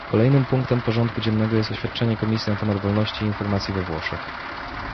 Kolejnym punktem porządku dziennego jest oświadczenie Komisji na temat wolności informacji we Włoszech